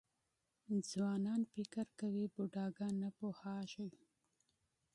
ځوانان فکر کوي بوډاګان نه پوهېږي .